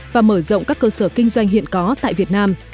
và mở rộng các cơ sở kinh doanh hiện có tại việt nam